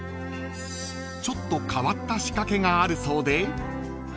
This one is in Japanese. ［ちょっと変わった仕掛けがあるそうで］